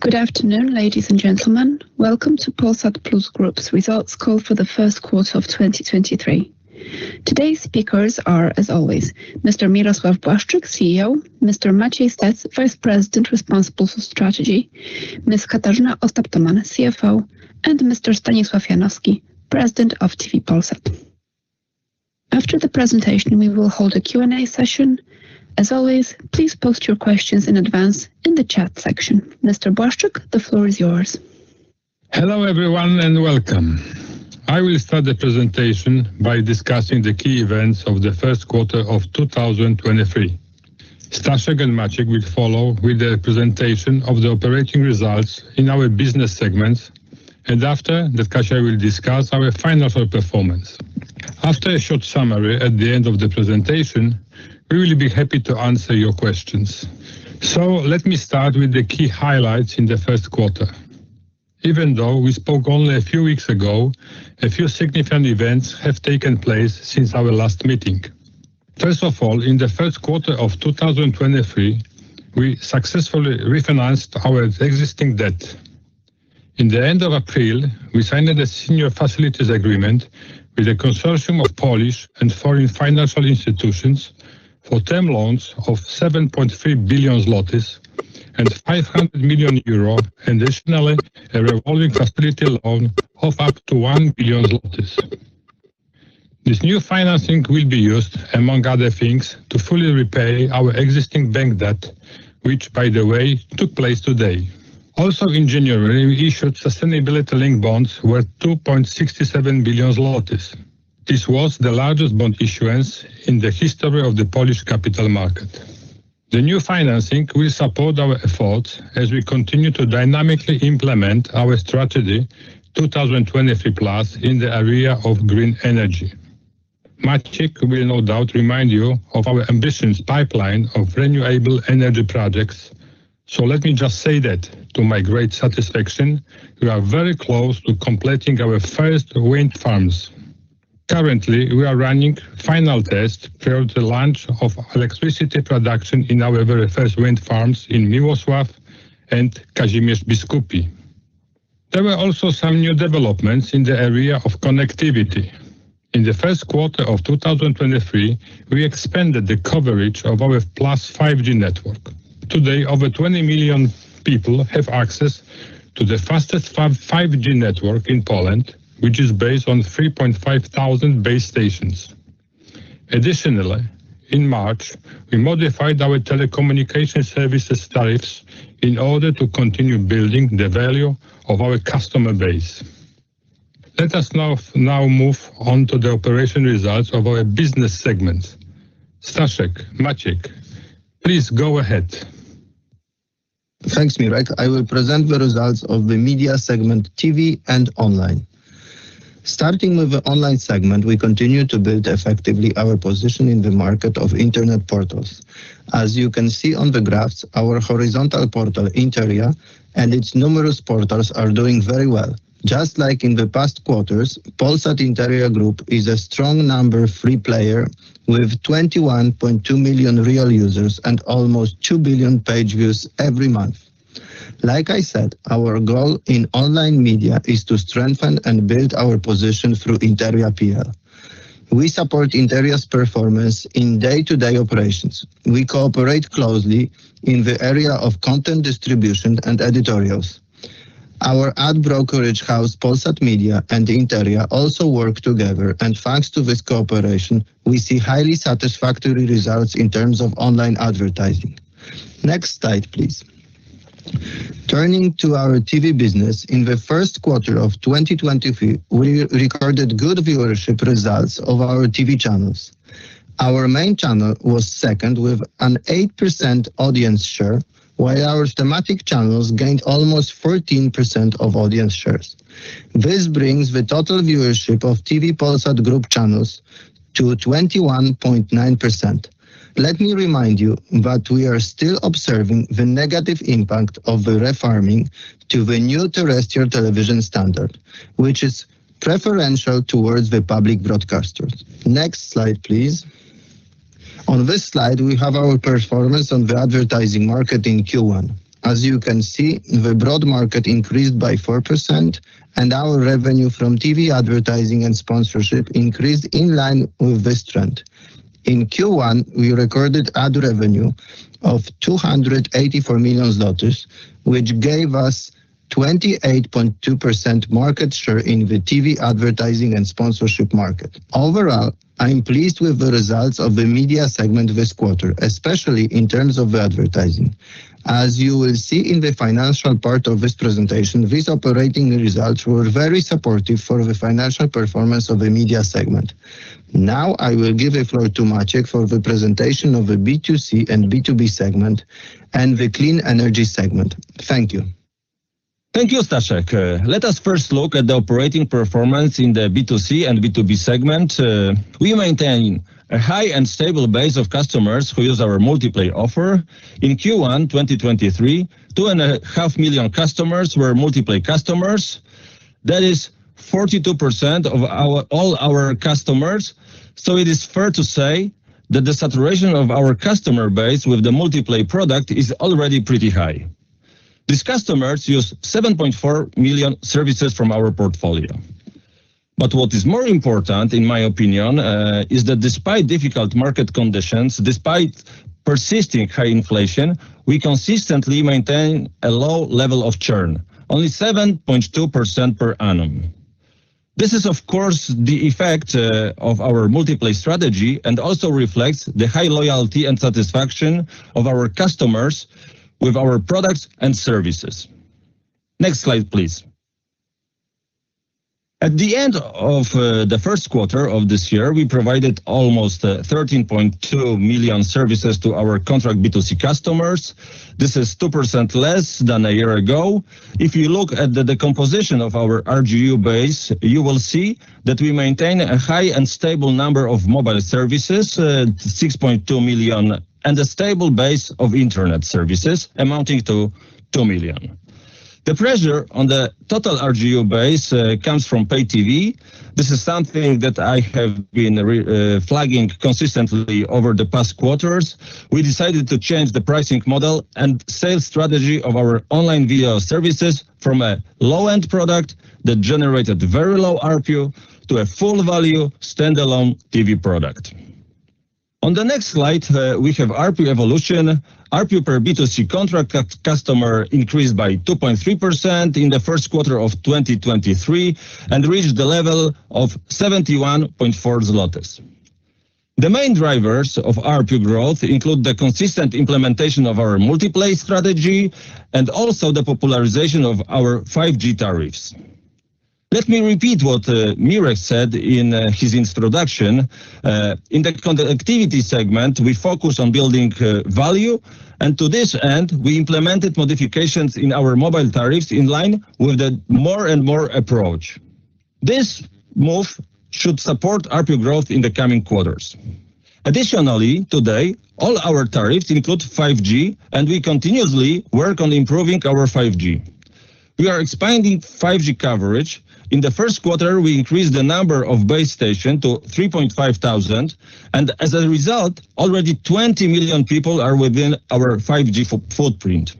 Good afternoon, ladies and gentlemen. Welcome to Grupa Polsat Plus's Results Call for the First Quarter of 2023. Today's speakers are, as always, Mr. Mirosław Błaszczyk, CEO; Mr. Maciej Stec, Vice President responsible for strategy; Ms. Katarzyna Ostap-Tomann, CFO; and Mr. Stanisław Janowski, President of Telewizja Polsat. After the presentation, we will hold a Q&A session. As always, please post your questions in advance in the chat section. Mr. Błaszczyk, the floor is yours. Hello, everyone, and welcome. I will start the presentation by discussing the key events of the first quarter of 2023. Stanislaw and Maciej will follow with the presentation of the operating results in our business segments, and after, Katarzyna will discuss our final performance. After a short summary at the end of the presentation, we will be happy to answer your questions. Let me start with the key highlights in the first quarter. Even though we spoke only a few weeks ago, a few significant events have taken place since our last meeting. First of all, in the first quarter of 2023, we successfully refinanced our existing debt. In the end of April, we signed a senior facilities agreement with a consortium of Polish and foreign financial institutions for term loans of 7.5 billion zlotys and 500 million euro. Additionally, a revolving facility loan of up to 1 billion zlotys. This new financing will be used, among other things, to fully repay our existing bank debt, which, by the way, took place today. Also in January, we issued sustainability-linked bonds worth 2.67 billion zlotys. This was the largest bond issuance in the history of the Polish capital market. The new financing will support our efforts as we continue to dynamically implement our Strategy 2023+ in the area of green energy. Maciej will no doubt remind you of our ambitions pipeline of renewable energy projects. Let me just say that, to my great satisfaction, we are very close to completing our first wind farms. Currently, we are running final tests for the launch of electricity production in our very first wind farms in Mirosław and Kazimierz Biskupi. There were also some new developments in the area of connectivity. In the first quarter of 2023, we expanded the coverage of our Plus 5G network. Today, over 20 million people have access to the fastest 5G network in Poland, which is based on 3,500 base stations. In March, we modified our telecommunication services tariffs in order to continue building the value of our customer base. Let us now move on to the operation results of our business segments. Stanislaw, Maciej, please go ahead. Thanks, Miroslaw. I will present the results of the media segment, TV and online. Starting with the online segment, we continue to build effectively our position in the market of internet portals. As you can see on the graphs, our horizontal portal, Interia, and its numerous portals are doing very well. Just like in the past quarters, Polsat Interia Group is a strong number three player with 21.2 million real users and almost 2 billion page views every month. Like I said, our goal in online media is to strengthen and build our position through Interia PL. We support Interia's performance in day-to-day operations. We cooperate closely in the area of content distribution and editorials. Our ad brokerage house, Polsat Media, and Interia also work together, and thanks to this cooperation, we see highly satisfactory results in terms of online advertising. Next slide, please. Turning to our TV business, in the first quarter of 2023, we recorded good viewership results of our TV channels. Our main channel was second with an 8% audience share, while our thematic channels gained almost 14% of audience shares. This brings the total viewership of TV Polsat Group channels to 21.9%. Let me remind you that we are still observing the negative impact of the refarming to the new terrestrial television standard, which is preferential towards the public broadcasters. Next slide, please. On this slide, we have our performance on the advertising market in Q1. As you can see, the broad market increased by 4%, and our revenue from TV advertising and sponsorship increased in line with this trend. In Q1, we recorded ad revenue of PLN 284 million, which gave us 28.2% market share in the TV advertising and sponsorship market. Overall, I am pleased with the results of the media segment this quarter, especially in terms of advertising. As you will see in the financial part of this presentation, these operating results were very supportive for the financial performance of the media segment. I will give the floor to Maciej for the presentation of the B2C and B2B segment and the clean energy segment. Thank you. Thank you, Stanislaw. Let us first look at the operating performance in the B2C and B2B segment. We maintain a high and stable base of customers who use our multi-play offer. In Q1 2023, 2.5 million customers were multi-play customers. That is 42% of all our customers. It is fair to say that the saturation of our customer base with the multi-play product is already pretty high. These customers use 7.4 million services from our portfolio. What is more important, in my opinion, is that despite difficult market conditions, despite persisting high inflation, we consistently maintain a low level of churn, only 7.2% per annum. This is, of course, the effect of our multi-play strategy and also reflects the high loyalty and satisfaction of our customers with our products and services. Next slide, please. At the end of the first quarter of this year, we provided almost 13.2 million services to our contract B2C customers. This is 2% less than a year ago. If you look at the composition of our RGU base, you will see that we maintain a high and stable number of mobile services, 6.2 million, and a stable base of internet services amounting to two million. The pressure on the total RGU base comes from pay TV. This is something that I have been flagging consistently over the past quarters. We decided to change the pricing model and sales strategy of our online video services from a low-end product that generated very low ARPU to a full-value standalone TV product. On the next slide, we have ARPU evolution. ARPU per B2C contract customer increased by 2.3% in the first quarter of 2023 and reached the level of 71.4. The main drivers of ARPU growth include the consistent implementation of our multi-play strategy and also the popularization of our 5G tariffs. Let me repeat what Miroslaw said in his introduction. In the connectivity segment, we focus on building value, and to this end, we implemented modifications in our mobile tariffs in line with the more-and-more approach. This move should support ARPU growth in the coming quarters. Additionally, today, all our tariffs include 5G, and we continuously work on improving our 5G. We are expanding 5G coverage. In the first quarter, we increased the number of base station to 3,500, and as a result, already 20 million people are within our 5G footprint.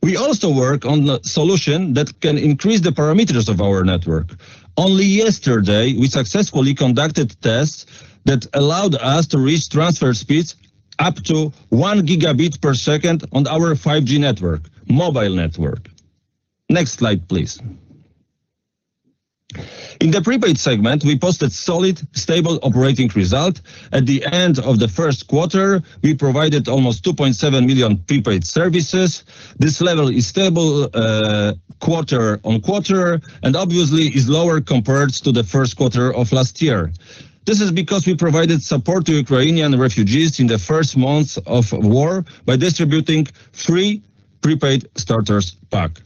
We also work on a solution that can increase the parameters of our network. Only yesterday, we successfully conducted tests that allowed us to reach transfer speeds up to 1 GB per second on our 5G network, mobile network. Next slide, please. In the prepaid segment, we posted solid, stable operating result. At the end of the first quarter, we provided almost 2.7 million prepaid services. This level is stable, quarter-on-quarter and obviously is lower compared to the first quarter of last year. This is because we provided support to Ukrainian refugees in the first months of war by distributing free prepaid starters pack.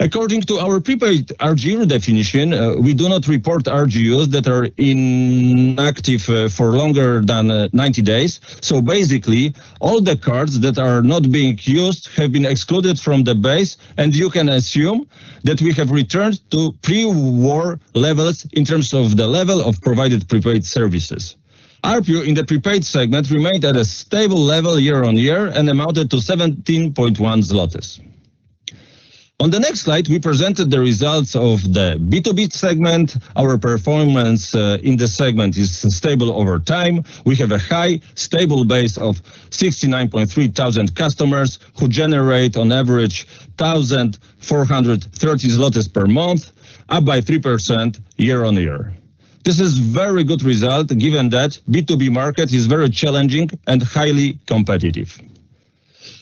According to our prepaid RGU definition, we do not report RGUs that are inactive for longer than 90 days. Basically, all the cards that are not being used have been excluded from the base, and you can assume that we have returned to pre-war levels in terms of the level of provided prepaid services. ARPU in the prepaid segment remained at a stable level year-on-year and amounted to 17.1 zlotys. On the next slide, we presented the results of the B2B segment. Our performance in this segment is stable over time. We have a high stable base of 69.3 thousand customers who generate on average 1,430 zlotys per month, up by 3% year-on-year. This is very good result given that B2B market is very challenging and highly competitive.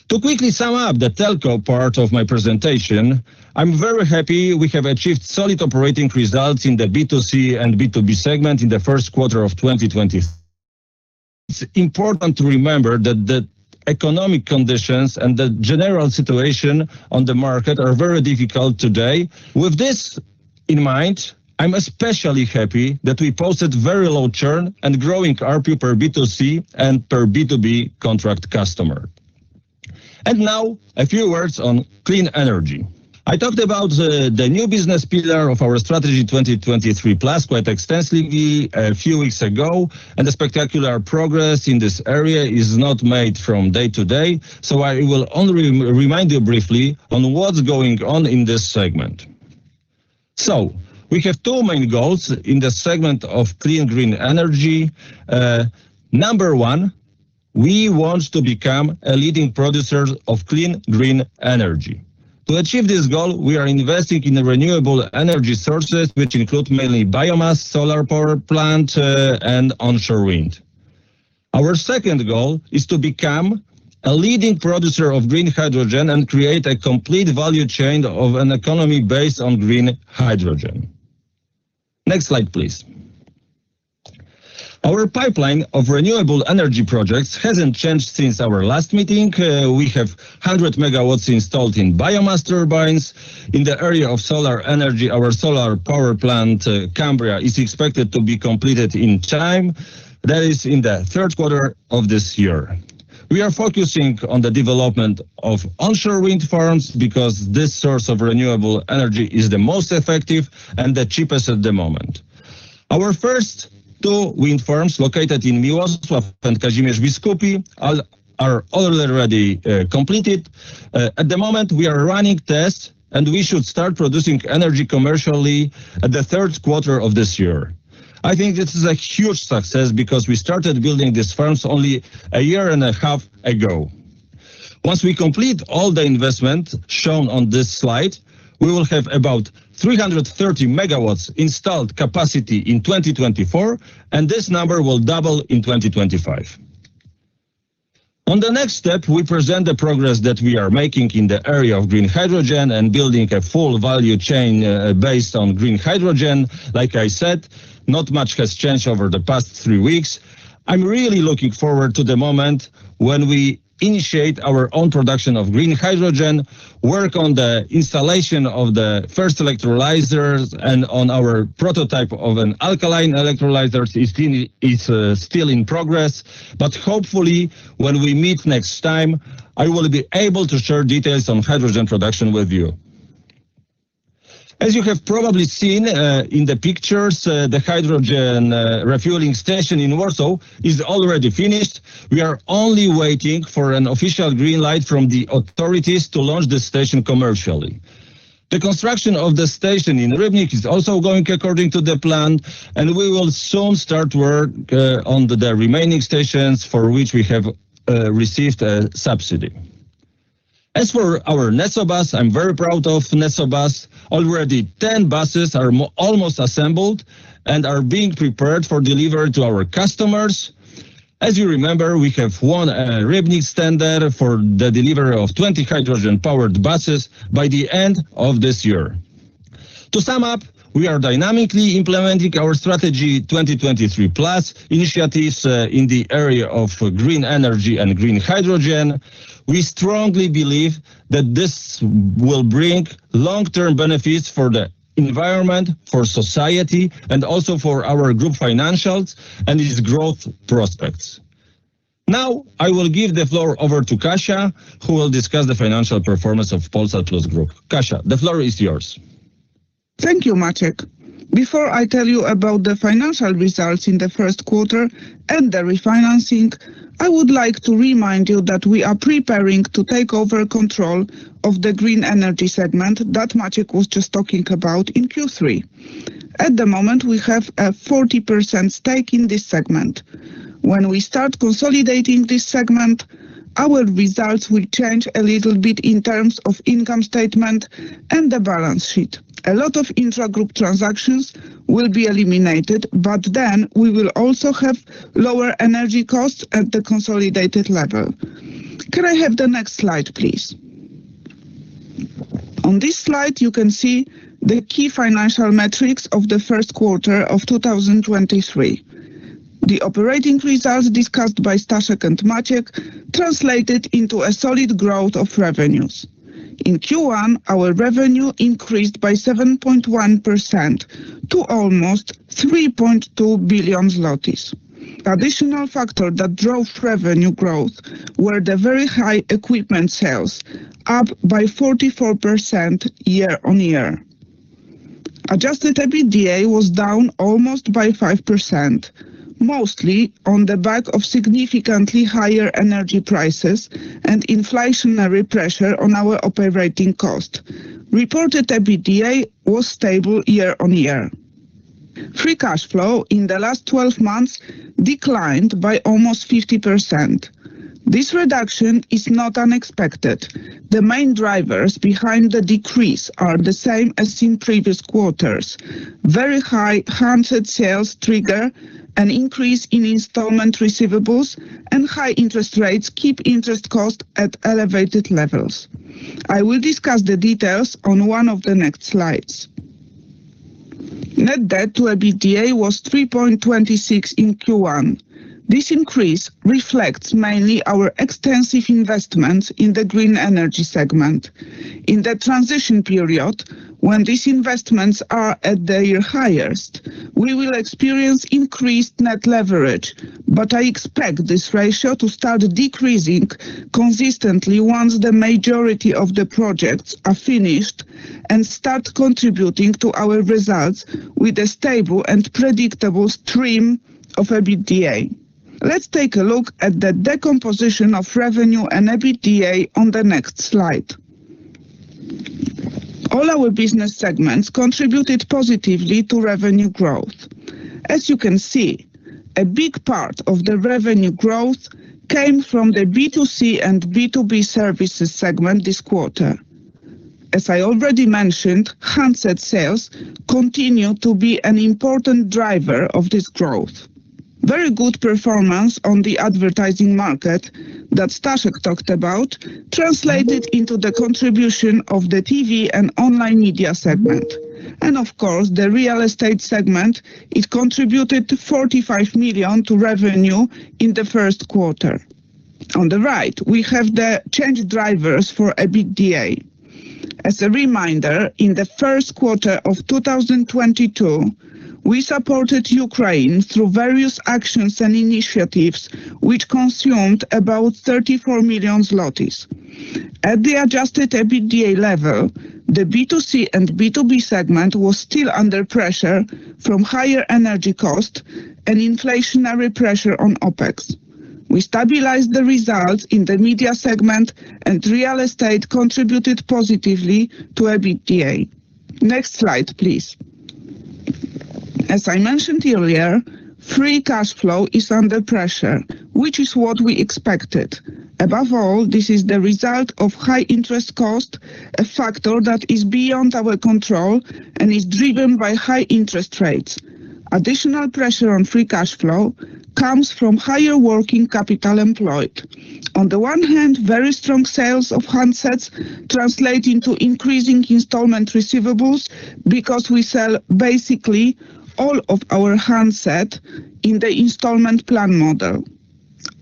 To quickly sum up the telco part of my presentation, I'm very happy we have achieved solid operating results in the B2C and B2B segment in the first quarter of 2020. It's important to remember that the economic conditions and the general situation on the market are very difficult today. With this in mind, I'm especially happy that we posted very low churn and growing ARPU per B2C and per B2B contract customer. Now, a few words on clean energy. I talked about the new business pillar of our Strategy 2023+ quite extensively a few weeks ago, and the spectacular progress in this area is not made from day to day, so I will only remind you briefly on what's going on in this segment. We have two main goals in the segment of clean green energy. Number one, we want to become a leading producer of clean, green energy. To achieve this goal, we are investing in renewable energy sources, which include mainly biomass, solar power plant and onshore wind. Our second goal is to become a leading producer of green hydrogen and create a complete value chain of an economy based on green hydrogen. Next slide, please. Our pipeline of renewable energy projects hasn't changed since our last meeting. We have 100 MW installed in biomass turbines. In the area of solar energy, our solar power plant Cambria, is expected to be completed in time. That is in the third quarter of this year. We are focusing on the development of onshore wind farms because this source of renewable energy is the most effective and the cheapest at the moment. Our first two wind farms located in Miłosław and Kazimierz Biskupi are already completed. At the moment we are running tests, and we should start producing energy commercially at the third quarter of this year. I think this is a huge success because we started building these farms only a year and a half ago. Once we complete all the investment shown on this slide, we will have about 330 MW installed capacity in 2024, and this number will double in 2025. On the next step, we present the progress that we are making in the area of green hydrogen and building a full value chain based on green hydrogen. Like I said, not much has changed over the past three weeks. I'm really looking forward to the moment when we initiate our own production of green hydrogen. Work on the installation of the first electrolyzers and on our prototype of an alkaline electrolyzers is still in progress. Hopefully, when we meet next time, I will be able to share details on hydrogen production with you. As you have probably seen in the pictures, the hydrogen refueling station in Warsaw is already finished. We are only waiting for an official green light from the authorities to launch the station commercially. The construction of the station in Rybnik is also going according to the plan, and we will soon start work on the remaining stations for which we have received a subsidy. As for our NesoBus, I'm very proud of NesoBus. Already 10 buses are almost assembled and are being prepared for delivery to our customers. As you remember, we have won a Rybnik tender for the delivery of 20 hydrogen-powered buses by the end of this year. To sum up, we are dynamically implementing our Strategy 2023+ initiatives in the area of green energy and green hydrogen. We strongly believe that this will bring long-term benefits for the environment, for society, and also for our group financials and its growth prospects. Now, I will give the floor over to Katarzyna, who will discuss the financial performance of Polsat Plus Group. Katarzyna, the floor is yours. Thank you, Maciej. Before I tell you about the financial results in the first quarter and the refinancing, I would like to remind you that we are preparing to take over control of the green energy segment that Maciej was just talking about in Q3. At the moment, we have a 40% stake in this segment. When we start consolidating this segment, our results will change a little bit in terms of income statement and the balance sheet. A lot of intra-group transactions will be eliminated, but then we will also have lower energy costs at the consolidated level. Can I have the next slide, please? On this slide, you can see the key financial metrics of the first quarter of 2023. The operating results discussed by Stanislaw and Maciej translated into a solid growth of revenues. In Q1, our revenue increased by 7.1% to almost 3.2 billion zlotys. The additional factor that drove revenue growth were the very high equipment sales, up by 44% year-on-year. Adjusted EBITDA was down almost by 5%, mostly on the back of significantly higher energy prices and inflationary pressure on our operating cost. Reported EBITDA was stable year-on-year. Free cash flow in the last 12 months declined by almost 50%. This reduction is not unexpected. The main drivers behind the decrease are the same as in previous quarters. Very high handset sales trigger an increase in installment receivables and high interest rates keep interest costs at elevated levels. I will discuss the details on one of the next slides. Net debt to EBITDA was 3.26 billion in Q1. This increase reflects mainly our extensive investments in the green energy segment. In the transition period, when these investments are at their highest, we will experience increased net leverage. I expect this ratio to start decreasing consistently once the majority of the projects are finished and start contributing to our results with a stable and predictable stream of EBITDA. Let's take a look at the decomposition of revenue and EBITDA on the next slide. All our business segments contributed positively to revenue growth. As you can see, a big part of the revenue growth came from the B2C and B2B services segment this quarter. As I already mentioned, handset sales continue to be an important driver of this growth. Very good performance on the advertising market that Stanislaw talked about translated into the contribution of the TV and online media segment. Of course, the real estate segment, it contributed 45 million to revenue in the first quarter. On the right, we have the change drivers for EBITDA. As a reminder, in the first quarter of 2022, we supported Ukraine through various actions and initiatives which consumed about 34 million. At the adjusted EBITDA level, the B2C and B2B segment was still under pressure from higher energy cost and inflationary pressure on OpEx. We stabilized the results in the media segment, and real estate contributed positively to EBITDA. Next slide, please. As I mentioned earlier, free cash flow is under pressure, which is what we expected. Above all, this is the result of high interest cost, a factor that is beyond our control and is driven by high interest rates. Additional pressure on free cash flow comes from higher working capital employed. On the one hand, very strong sales of handsets translate into increasing installment receivables because we sell basically all of our handset in the installment plan model.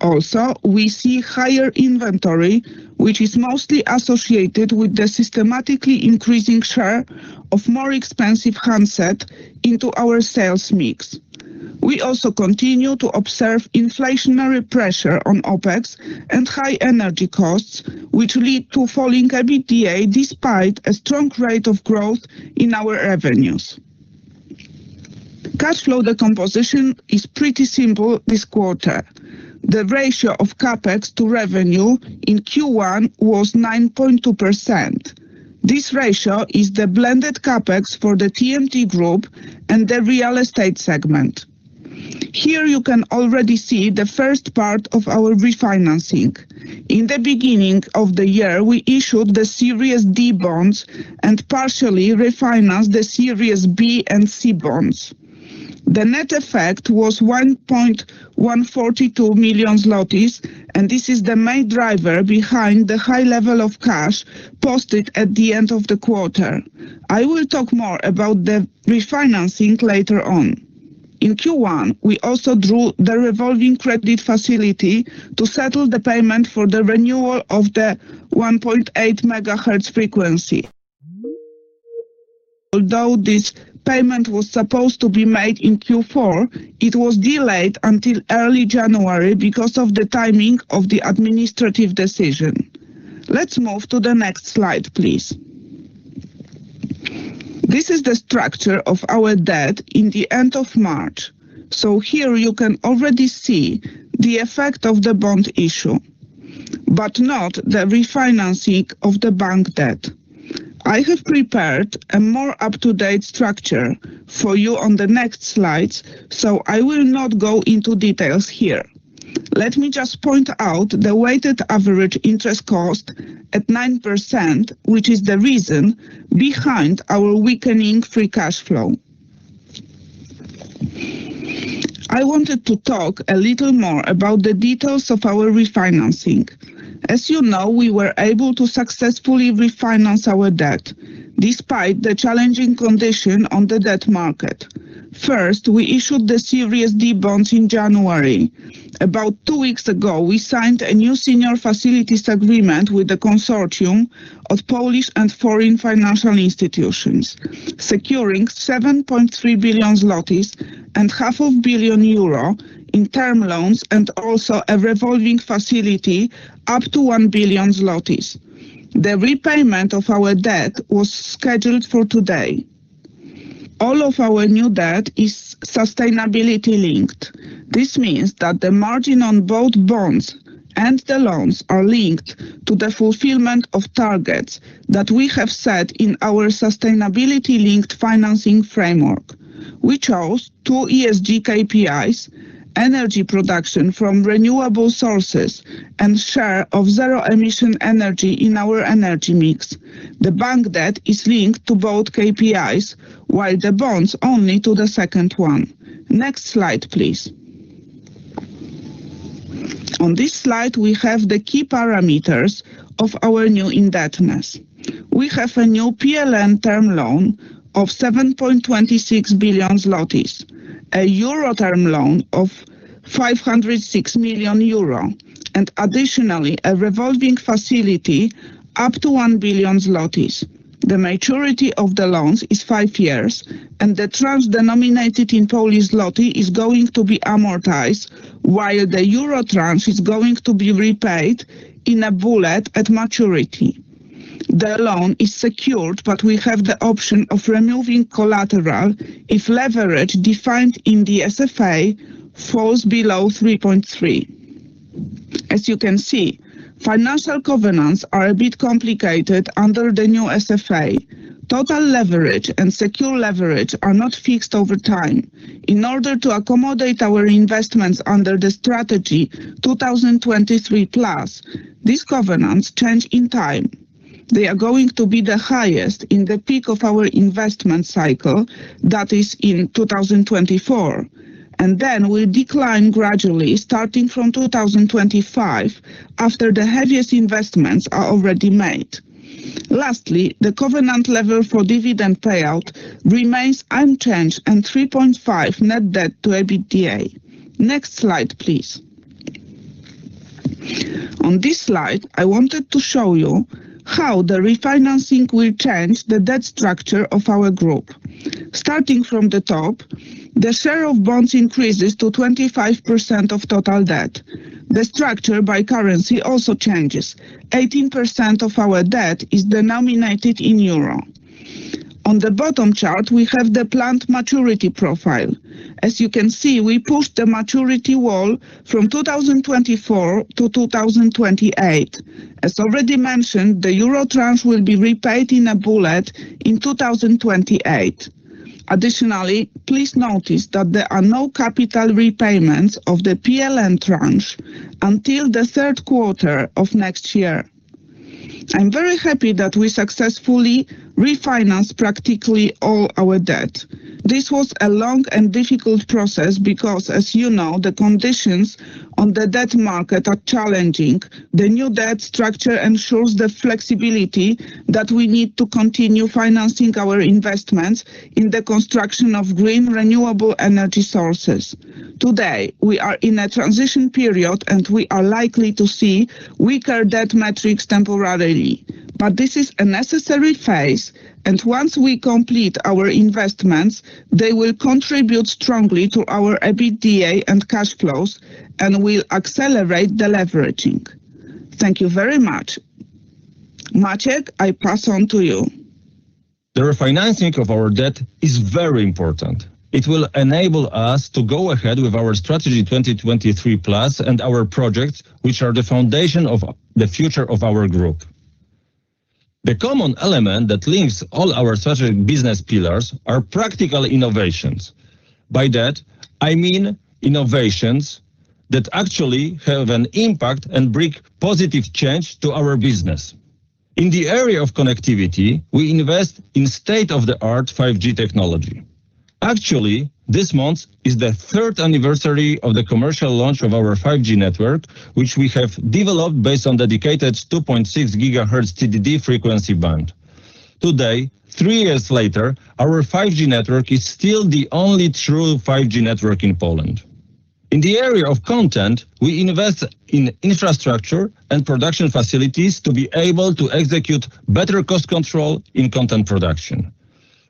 Also, we see higher inventory, which is mostly associated with the systematically increasing share of more expensive handset into our sales mix. We also continue to observe inflationary pressure on OpEx and high energy costs, which lead to falling EBITDA despite a strong rate of growth in our revenues. Cash flow, the composition is pretty simple this quarter. The ratio of CapEx to revenue in Q1 was 9.2%. This ratio is the blended CapEx for the TMT group and the real estate segment. Here you can already see the first part of our refinancing. In the beginning of the year, we issued the Series D bonds and partially refinance the Series B and C bonds. The net effect was 1.142 million zlotys. This is the main driver behind the high level of cash posted at the end of the quarter. I will talk more about the refinancing later on. In Q1, we also drew the revolving credit facility to settle the payment for the renewal of the 1.8 MH frequency. Although this payment was supposed to be made in Q4, it was delayed until early January because of the timing of the administrative decision. Let's move to the next slide, please. This is the structure of our debt in the end of March. Here you can already see the effect of the bond issue, but not the refinancing of the bank debt. I have prepared a more up-to-date structure for you on the next slides, so I will not go into details here. Let me just point out the weighted average interest cost at 9%, which is the reason behind our weakening free cash flow. I wanted to talk a little more about the details of our refinancing. As you know, we were able to successfully refinance our debt despite the challenging condition on the debt market. First, we issued the Series D bonds in January. About two weeks ago, we signed a new senior facilities agreement with the consortium of Polish and foreign financial institutions, securing 7.3 billion zlotys and half a billion euro in term loans, and also a revolving facility up to 1 billion zlotys. The repayment of our debt was scheduled for today. All of our new debt is sustainability-linked. This means that the margin on both bonds and the loans are linked to the fulfillment of targets that we have set in our Sustainability-Linked Financing Framework. We chose two ESG KPIs, energy production from renewable sources and share of zero emission energy in our energy mix. The bank debt is linked to both KPIs, while the bonds only to the second one. Next slide, please. On this slide, we have the key parameters of our new indebtedness. We have a new PLN term loan of 7.26 billion zlotys, a EUR term loan of 506 million euro, and additionally, a revolving facility up to 1 billion zlotys. The maturity of the loans is five years, and the tranche denominated in Polish zloty is going to be amortized while the euro tranche is going to be repaid in a bullet at maturity. The loan is secured, but we have the option of removing collateral if leverage defined in the SFA falls below 3.3. As you can see, financial covenants are a bit complicated under the new SFA. Total leverage and secure leverage are not fixed over time. In order to accommodate our investments under the Strategy 2023+, these covenants change in time. They are going to be the highest in the peak of our investment cycle, that is in 2024, and then will decline gradually starting from 2025 after the heaviest investments are already made. The covenant level for dividend payout remains unchanged and 3.5 net debt to EBITDA. Next slide, please. On this slide, I wanted to show you how the refinancing will change the debt structure of our group. Starting from the top, the share of bonds increases to 25% of total debt. The structure by currency also changes. 18% of our debt is denominated in euro. On the bottom chart, we have the plant maturity profile. As you can see, we pushed the maturity wall from 2024-2028. As already mentioned, the euro tranche will be repaid in a bullet in 2028. Additionally, please notice that there are no capital repayments of the PLN tranche until the third quarter of next year. I'm very happy that we successfully refinanced practically all our debt. This was a long and difficult process because, as you know, the conditions on the debt market are challenging. The new debt structure ensures the flexibility that we need to continue financing our investments in the construction of green, renewable energy sources. Today, we are in a transition period, and we are likely to see weaker debt metrics temporarily. This is a necessary phase, and once we complete our investments, they will contribute strongly to our EBITDA and cash flows and will accelerate the leveraging. Thank you very much. Maciej, I pass on to you. The refinancing of our debt is very important. It will enable us to go ahead with our Strategy 2023+ and our projects, which are the foundation of the future of our group. The common element that links all our strategic business pillars are practical innovations. By that, I mean innovations that actually have an impact and bring positive change to our business. In the area of connectivity, we invest in state-of-the-art 5G technology. Actually, this month is the 3rd anniversary of the commercial launch of our 5G network, which we have developed based on dedicated 2.6 GHz TDD frequency band. Today, three years later, our 5G network is still the only true 5G network in Poland. In the area of content, we invest in infrastructure and production facilities to be able to execute better cost control in content production.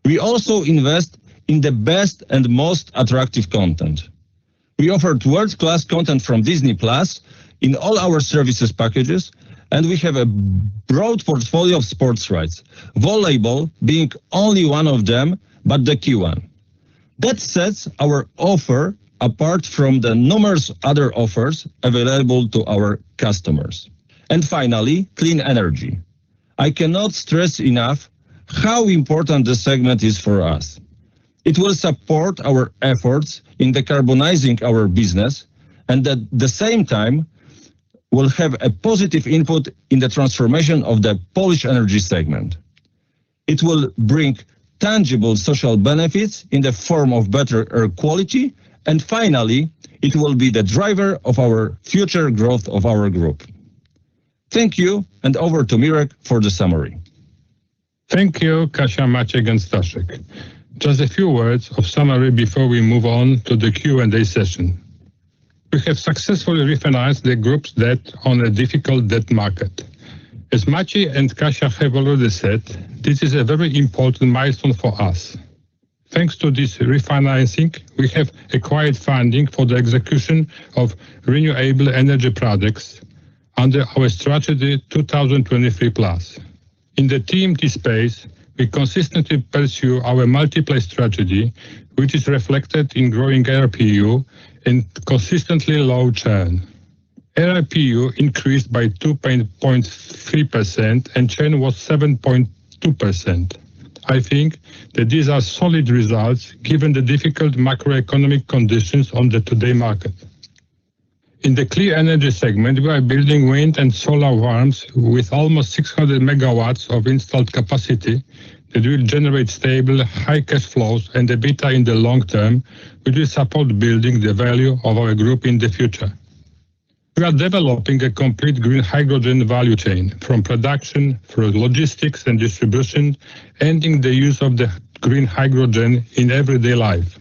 We also invest in the best and most attractive content. We offered world-class content from Disney+ in all our services packages, and we have a broad portfolio of sports rights, volleyball being only one of them, but the key one. That sets our offer apart from the numerous other offers available to our customers. Finally, clean energy. I cannot stress enough how important this segment is for us. It will support our efforts in decarbonizing our business and at the same time will have a positive input in the transformation of the Polish energy segment. It will bring tangible social benefits in the form of better air quality, and finally, it will be the driver of our future growth of our group. Thank you, and over to Miroslaw for the summary. Thank you, Katarzyna, Maciej, and Stanislaw. Just a few words of summary before we move on to the Q&A session. We have successfully refinanced the group's debt on a difficult debt market. As Maciej and Katarzyna have already said, this is a very important milestone for us. Thanks to this refinancing, we have acquired funding for the execution of renewable energy products under our Strategy 2023+. In the TMT space, we consistently pursue our multi-play strategy, which is reflected in growing ARPU and consistently low churn. ARPU increased by 2.3%, and churn was 7.2%. I think that these are solid results given the difficult macroeconomic conditions on the today market. In the clear energy segment, we are building wind and solar farms with almost 600 megawatts of installed capacity that will generate stable, high cash flows and EBITDA in the long term, which will support building the value of our group in the future. We are developing a complete green hydrogen value chain, from production through logistics and distribution, ending the use of the green hydrogen in everyday life.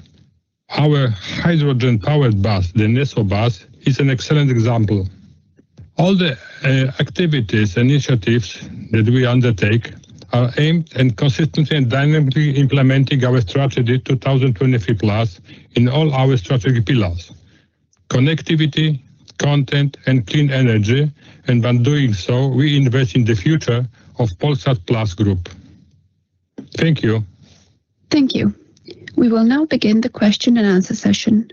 Our hydrogen-powered bus, the NesoBus, is an excellent example. All the activities, initiatives that we undertake are aimed in consistency and dynamically implementing our Strategy 2023+ in all our strategic pillars: connectivity, content, and clean energy. By doing so, we invest in the future of Polsat Plus Group. Thank you. Thank you. We will now begin the question and answer session.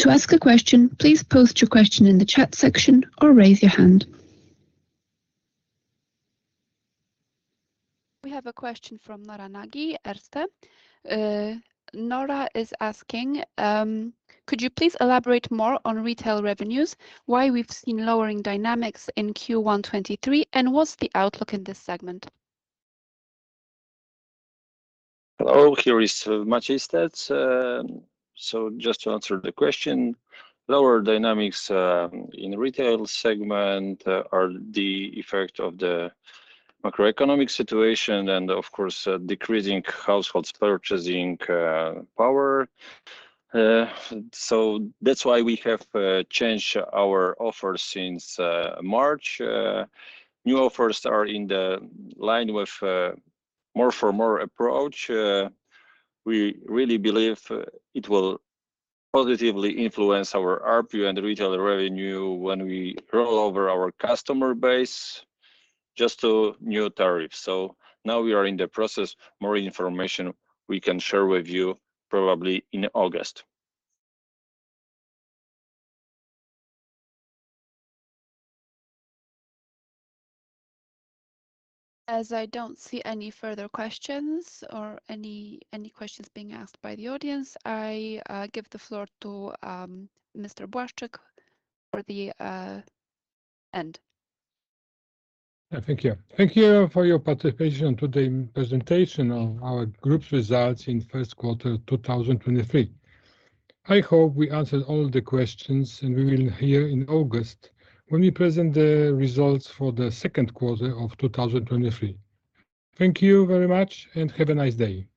To ask a question, please post your question in the chat section or raise your hand. We have a question from Nora Nagy, Erste. Nora is asking, could you please elaborate more on retail revenues, why we've seen lowering dynamics in Q1 2023, and what's the outlook in this segment? Hello, here is Maciej Stec. Just to answer the question, lower dynamics in retail segment are the effect of the macroeconomic situation and, of course, decreasing households' purchasing power. That's why we have changed our offer since March. New offers are in the line with more-for-more approach. We really believe it will positively influence our ARPU and retail revenue when we roll over our customer base just to new tariffs. Now we are in the process. More information we can share with you probably in August. As I don't see any further questions or any questions being asked by the audience, I give the floor to Mr. Błaszczyk for the end. Thank you. Thank you for your participation today in presentation of our group's results in first quarter 2023. I hope we answered all the questions. We will hear in August when we present the results for the second quarter of 2023. Thank you very much. Have a nice day.